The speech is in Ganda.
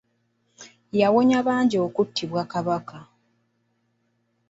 Yawonya bangi okuttibwa Kabaka.